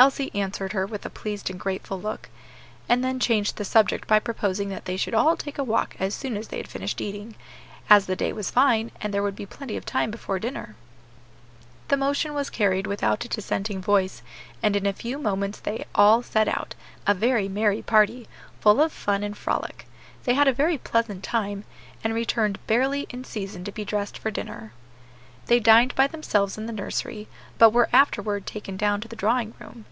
Elsie answered her with a pleased and grateful look; and then changed the subject by proposing that they should all take a walk as soon as they had finished eating, as the day was fine, and there would be plenty of time before dinner. The motion was carried without a dissenting voice, and in a few moments they all set out, a very merry party, full of fun and frolic. They had a very pleasant time, and returned barely in season to be dressed for dinner. They dined by themselves in the nursery, but were afterward taken down to the drawing room.